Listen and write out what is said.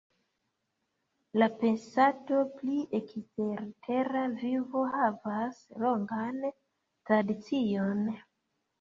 La pensado pri ekstertera vivo havas longan tradicion.